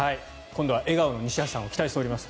今度は笑顔の西橋さんを期待しております。